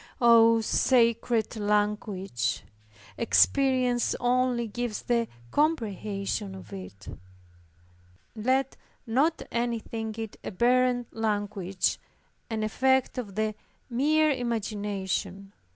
Oh, sacred language! Experience only gives the comprehension of it! Let not any think it a barren language, and effect of the mere imagination.